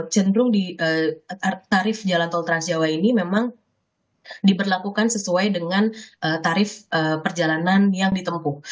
cenderung di tarif jalan tol transjawa ini memang diberlakukan sesuai dengan tarif perjalanan yang ditempuh